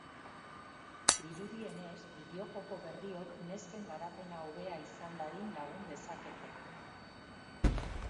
Dirudienez, bideojoko berrioknesken garapena hobea izan dadin lagun dezakete.